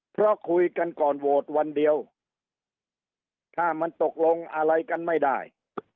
เพราะคุยกันก่อนโหวตวันเดียวถ้ามันตกลงอะไรกันไม่ได้